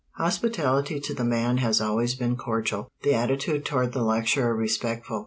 Hospitality to the man has always been cordial; the attitude toward the lecturer respectful.